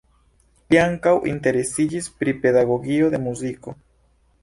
Li ankaŭ interesiĝis pri pedagogio de muziko.